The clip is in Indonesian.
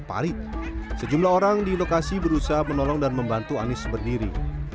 parit sejumlah orang di lokasi berusaha menolong dan membantu anies berdiri